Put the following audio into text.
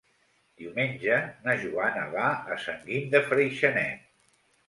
Diumenge na Joana va a Sant Guim de Freixenet.